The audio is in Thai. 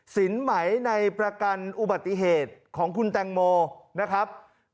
สินไหมในประกันอุบัติเหตุของคุณแตงโมนะครับ